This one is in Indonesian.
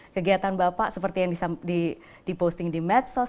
kegiatan bapak seperti yang diposting di medsos